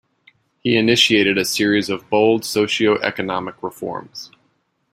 He initiated a series of bold socio-economic reforms.